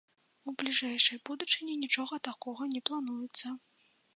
У бліжэйшай будучыні нічога такога не плануецца.